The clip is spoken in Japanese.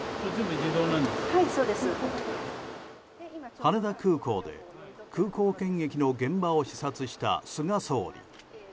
羽田空港で空港検疫の現場を視察した菅総理。